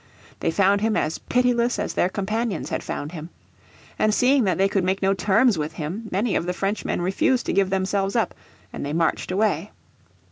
They found him as pitiless as their companions had found him. And seeing that they could make no terms with him many of the Frenchmen refused to give themselves up, and they marched away.